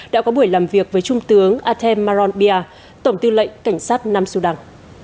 đã có buổi làm việc với trung tướng atem maron pia tổng tư lệnh cảnh sát nam sudan